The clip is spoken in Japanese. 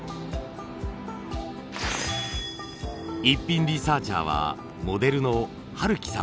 イッピンリサーチャーはモデルの春輝さん。